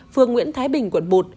phường nguyễn thái bình quận một